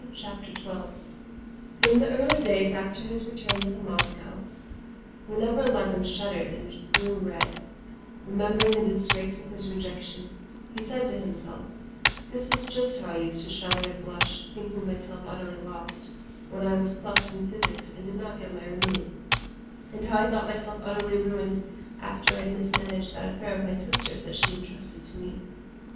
Chapter 12 In the early days after his return from Moscow, whenever Levin shuddered and grew red, remembering the disgrace of his rejection, he said to himself: "This was just how I used to shudder and blush, thinking myself utterly lost, when I was plucked in physics and did not get my remove; and how I thought myself utterly ruined after I had mismanaged that affair of my sister's that was entrusted to me.